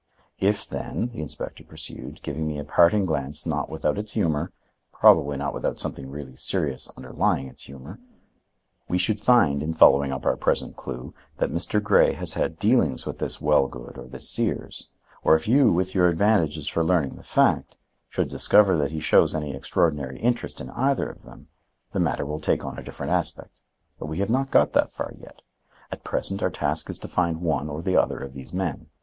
"If, then," the inspector pursued, giving me a parting glance not without its humor, probably not without something really serious underlying its humor, "we should find, in following up our present clue, that Mr. Grey has had dealings with this Wellgood or this Sears; or if you, with your advantages for learning the fact, should discover that he shows any extraordinary interest in either of them, the matter will take on a different aspect. But we have not got that far yet. At present our task is to find one or the other of these men.